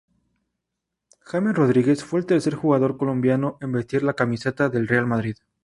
James Rodríguez fue el tercer jugador colombiano en vestir la camiseta del Real Madrid.